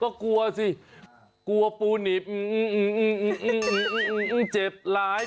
ก็กลัวสิกลัวปูนิบเจ็บหลาย